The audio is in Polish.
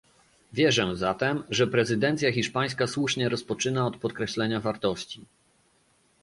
Wierzę zatem, że prezydencja hiszpańska słusznie rozpoczyna od podkreślenia wartości